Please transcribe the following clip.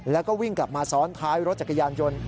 แล้วก็วิ่งกลับมาซ้อนท้ายรถจักรยานยนต์